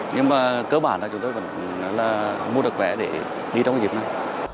nhưng mà cơ bản là chúng tôi vẫn mua được vé để đi trong dịp này